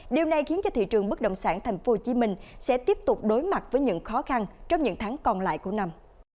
điều này khiến cho thị trường bất động sản tp hcm sẽ tiếp tục đối mặt với những khó khăn trong những tháng còn lại của năm